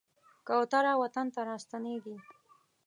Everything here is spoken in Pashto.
کوتره وطن ته راستنېږي.